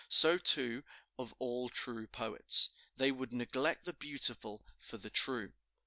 So, too, of all true poets, they would neglect the beautiful for the true."